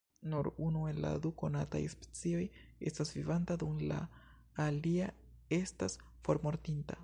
Nur unu el la du konataj specioj estas vivanta dum la alia estas formortinta.